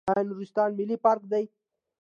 آیا نورستان ملي پارک دی؟